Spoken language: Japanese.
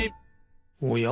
おや？